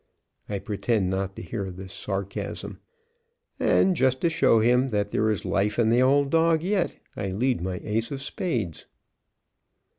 I pretend not to hear this sarcasm, and, just to show him that there is life in the old dog yet, I lead my ace of spades.